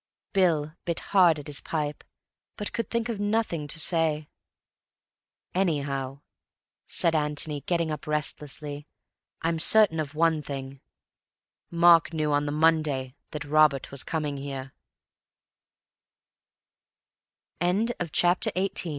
Bill bit hard at his pipe, but could think of nothing to say. "Anyhow," said Antony, getting up restlessly, "I'm certain of one thing. Mark knew on the Monday that Robert was coming here." CHAPTER XIX.